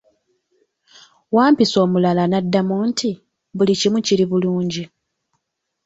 Wampisi omulala n'addamu nti, buli kimu kiri bulungi.